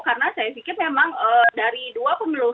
karena saya pikir memang dari dua pemilu